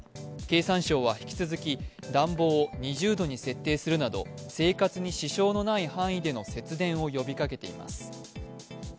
経産省は引き続き、暖房を２０度に設定するなど生活に支障のない範囲での節電を呼びかけています。